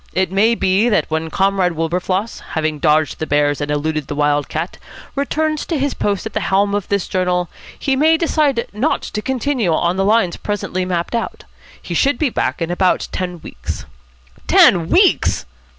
It may be that when Comrade Wilberfloss, having dodged the bears and eluded the wild cat, returns to his post at the helm of this journal, he may decide not to continue on the lines at present mapped out. He should be back in about ten weeks." "Ten weeks!"